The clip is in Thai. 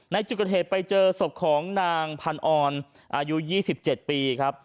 ในจุดเกิดเหตุไปเจอศพของนางพันออนอายุ๒๗ปีครับ